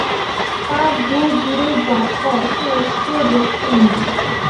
তা দূর-দূরের যাত্রায় তো একটিও দেখলুম না।